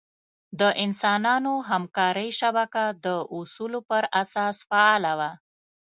د انسانانو همکارۍ شبکه د اصولو پر اساس فعاله وه.